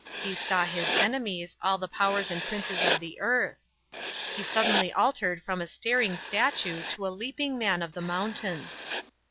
He saw his enemies, all the powers and princes of the earth. He suddenly altered from a staring statue to a leaping man of the mountains.